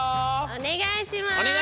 おねがいします。